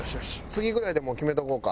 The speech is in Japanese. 次ぐらいでもう決めとこうか。